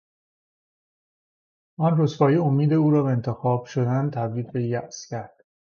آن رسوایی امید او را به انتخاب شدن تبدیل به یاس کرد.